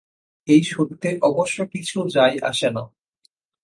এই সত্যে অবশ্য কিছু যায় আসে না।